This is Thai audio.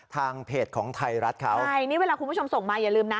ทางเพจของไทยรัฐเขาใช่นี่เวลาคุณผู้ชมส่งมาอย่าลืมนะ